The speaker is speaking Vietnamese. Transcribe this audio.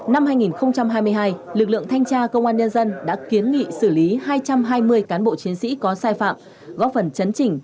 năm hai nghìn hai mươi hai lực lượng thanh tra công an nhân dân đã kiến nghị xử lý hai trăm hai mươi cán bộ chiến sĩ có sai phạm góp phần chấn chỉnh